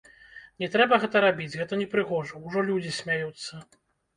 Не трэба гэта рабіць, гэта непрыгожа, ужо людзі смяюцца.